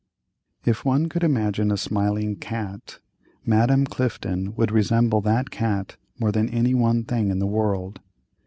If one could imagine a smiling cat, Madame Clifton would resemble that cat more than any one thing in the world.